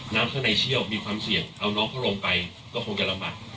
น้ำข้างในเชี่ยวมีความเสี่ยงเอาน้องเขาลงไปก็คงจะลำบาก